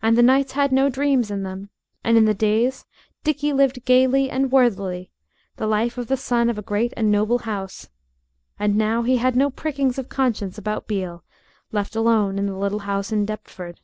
And the nights had no dreams in them, and in the days Dickie lived gaily and worthily, the life of the son of a great and noble house, and now he had no prickings of conscience about Beale, left alone in the little house in Deptford.